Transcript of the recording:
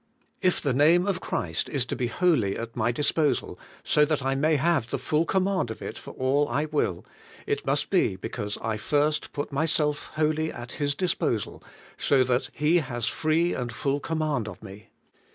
If the name of Christ is to be wholly at my disposal, so that I may have the full command of it for all I will, it must be because I first put myself wholly at His disposal, so that He has free and full command of me.